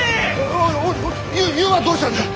おいおい湯湯はどうしたんじゃ。